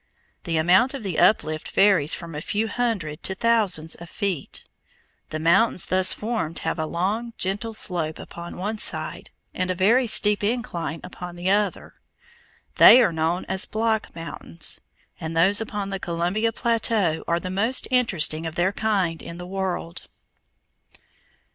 The amount of the uplift varies from a few hundred to thousands of feet. The mountains thus formed have a long, gentle slope upon one side and a very steep incline upon the other. They are known as "block mountains," and those upon the Columbia plateau are the most interesting of their kind in the world.